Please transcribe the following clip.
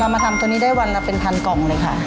มาทำตัวนี้ได้วันละเป็นพันกล่องเลยค่ะ